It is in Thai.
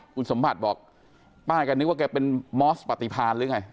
คุณสมบัติบอกป้าแกนึกว่าแกเป็นมอสปฏิพาณหรือไง